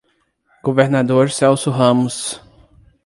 Governador Celso Ramos